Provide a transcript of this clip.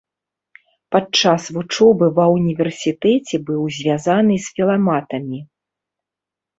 Падчас вучобы ва ўніверсітэце быў звязаны з філаматамі.